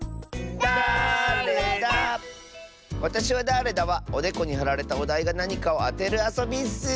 「わたしはだれだ？」はおでこにはられたおだいがなにかをあてるあそびッス！